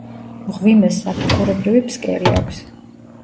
მღვიმეს საფეხურებრივი ფსკერი აქვს.